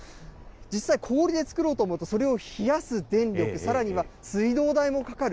実際、氷で作ろうと思うと、それを冷やす電力、さらには水道代もかかる。